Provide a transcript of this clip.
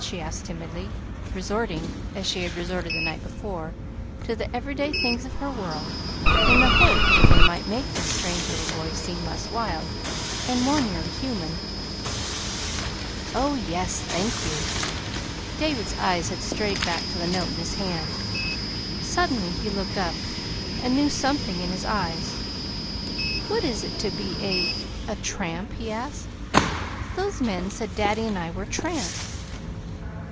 she asked timidly, resorting, as she had resorted the night before, to the everyday things of her world in the hope that they might make this strange little boy seem less wild, and more nearly human. "Oh, yes, thank you." David's eyes had strayed back to the note in his hand. Suddenly he looked up, a new something in his eyes. "What is it to be a a tramp?" he asked. "Those men said daddy and I were tramps."